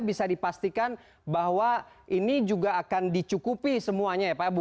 bisa dipastikan bahwa ini juga akan dicukupi semuanya ya pak